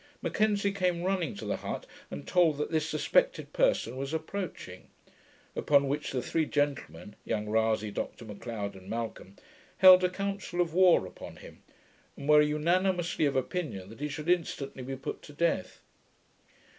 M'Kenzie came running to the hut, and told that this suspected person was approaching. Upon which the three gentlemen, young Rasay, Dr Macleod, and Malcom, held a council of war upon him, and were unanimously of opinion that he should instantly be put to death.